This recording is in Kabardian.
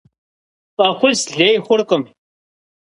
ФӀэхъус лей хъуркъым.